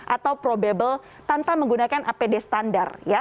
atau probable tanpa menggunakan apd standar